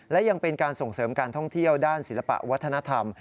และยังเป็นการส่งเสริมการท่องเที่ยวด้านศิลปะวัฒนธรรม